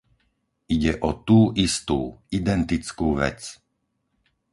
Ide o tú istú, identickú vec.